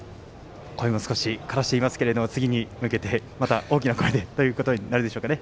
声も少しからしていますけども次に向けて、また大きな声でとなるでしょうか。